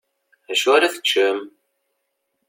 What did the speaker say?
Acu ara teččem?